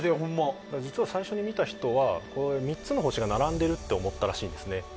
実は最初に見た人は３つの星が並んでいると思ったらしいんですね。